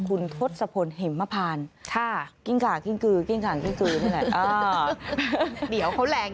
กินกากกินกืนเลย